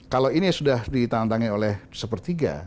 kalau ini sudah ditantangi oleh sepertiga